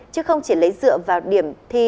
chứ không chỉ lấy dựa vào điểm thi